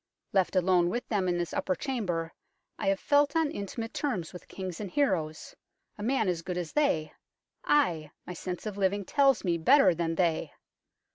Left alone with them in this upper chamber, I have felt on intimate terms with Kings and heroes, a man as good as they aye, my sense of living tells me, better than they